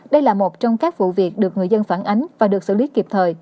đây là một trong các vụ việc được người dân phản ánh và được xử lý kịp thời